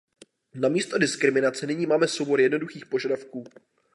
Namísto diskriminace nyní máme soubor jednoduchých požadavků.